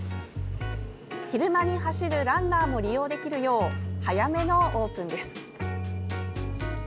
昼間に走るランナーも利用できるよう早めのオープンです。